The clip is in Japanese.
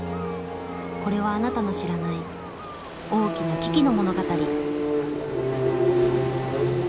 これはあなたの知らない大きな危機の物語。